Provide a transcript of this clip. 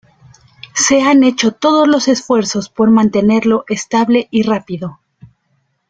Se han hecho todos los esfuerzos por mantenerlo estable y rápido.